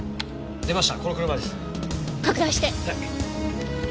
出ました。